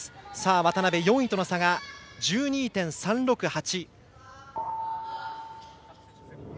渡部、４位との差が１２．３６８。